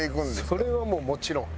それはもうもちろん。